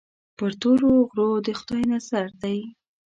پر تورو غرو د خدای نظر دی.